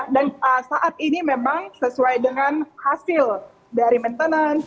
dan saat ini memang sesuai dengan hasil dari maintenance